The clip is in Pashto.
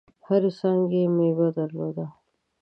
هرې څانګي یې مېوه درلوده .